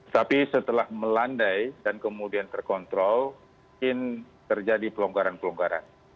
tapi setelah melandai dan kemudian terkontrol mungkin terjadi pelonggaran pelonggaran